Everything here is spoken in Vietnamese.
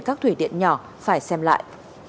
các thủy điện nhỏ phải xem lại